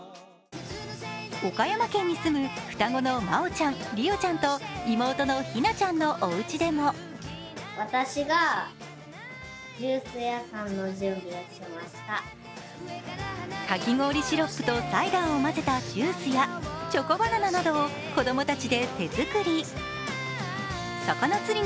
岡山県に住む双子のまおちゃん、りおちゃんと妹のひなちゃんのおうちでもかき氷シロップとサイダーを混ぜたジュースやチョコバナナなどを子供たちで手作り。